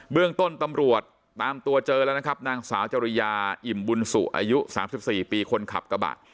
เรื่องต้นตำรวจตามตัวเจอแล้วนะครับนางสาวจริยาอิ่มบุญสุอายุ๓๔ปีคนขับกระบะ